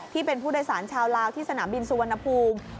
ที่เป็นผู้โดยสารชาวลาวที่สนามบินสุวรรณภูมิ